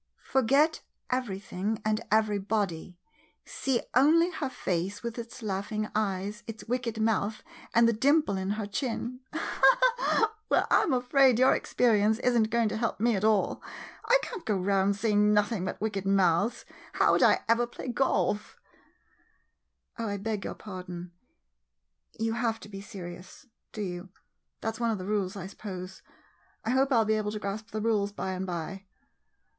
]" Forget everything, and everybody — see only her face, with its laughing eyes, it 's wicked mouth, and the dimple in her chin !" [Laughs mockingly.'] Well, I 'm afraid your experience is n't going to help me at all. I can't go round seeing nothing but wicked mouths — how 'd I ever play golf? [Suddenly becomes very serious.] Oh, I beg your pardon — you have to be serious — do you ? That 's one of the rules, I suppose. I hope I '11 be able to grasp the rules by and by.